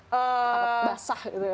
basah gitu ya